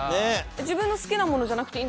自分の好きなものじゃなくていいんですか？